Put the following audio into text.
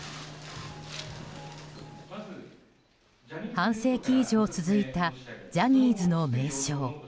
半世紀以上続いたジャニーズの名称。